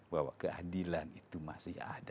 bahwa keadilan itu masih ada